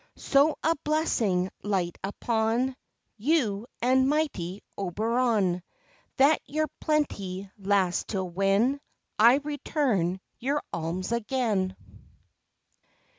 So a blessing light upon You, and mighty Oberon; That your plenty last till when I return your alms again.